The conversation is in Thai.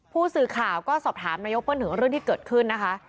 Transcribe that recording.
ผู้สื่อข่าวก็สอบถามนายกเปิ้ลถึงเรื่องที่เกิดขึ้นนะคะ